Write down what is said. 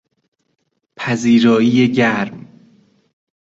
پذیرایی گرم